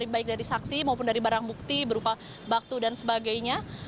baik dari saksi maupun dari barang bukti berupa batu dan sebagainya